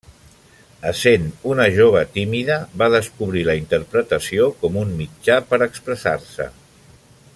Essent una jove tímida, va descobrir la interpretació com un mitjà per expressar-se.